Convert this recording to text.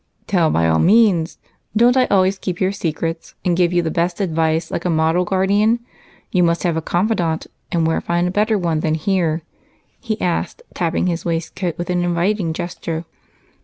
"Tell, by all means. Don't I always keep your secrets and give you the best advice, like a model guardian? You must have a confidant, and where find a better one than here?" he asked, tapping his waistcoat with an inviting gesture.